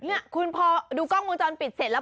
นี่คุณพอดูกล้องวงจรปิดเสร็จแล้ว